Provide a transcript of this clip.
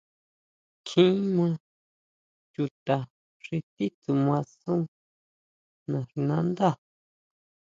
Kjín maa chuta xi titsuma sun naxinándá.